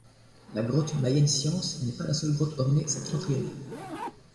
La grotte Mayenne-Sciences n'est pas la seule grotte ornée septentrionale.